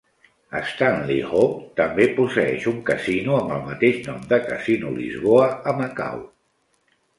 Stanley Ho també posseeix un casino amb el mateix nom de Casino Lisboa a Macau.